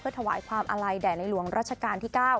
ถวายความอาลัยแด่ในหลวงรัชกาลที่๙